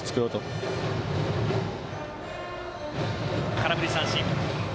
空振り三振。